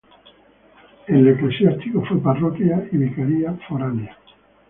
En lo eclesiástico fue parroquia y vicaría foránea.